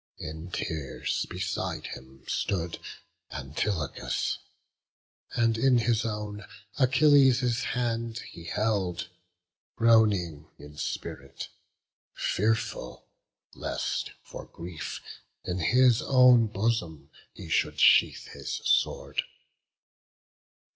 In tears beside him stood Antilochus, And in his own Achilles' hand he held, Groaning in spirit, fearful lest for grief In his own bosom he should sheathe his sword.